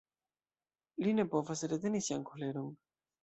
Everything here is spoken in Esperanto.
Li ne povas reteni sian koleron.